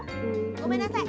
ごめんなさい。